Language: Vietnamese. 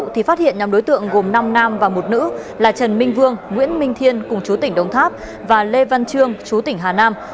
thì phát hiện nhóm đối tượng gồm năm nam và một nữ là trần minh vương nguyễn minh thiên cùng chú tỉnh đồng tháp và lê văn trương chú tỉnh hà nam